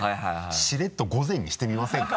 しれっと午前にしてみませんか？